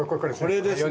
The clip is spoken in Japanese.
これですね。